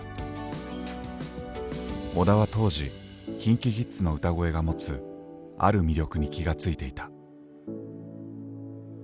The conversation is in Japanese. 織田は当時ＫｉｎＫｉＫｉｄｓの歌声が持つある魅力に気が付いていた。